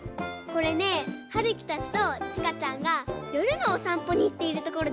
これねはるきたちとちかちゃんがよるのおさんぽにいっているところです。